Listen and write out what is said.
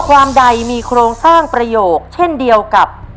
ความใดมีโครงสร้างประโยคเช่นเดียวกับ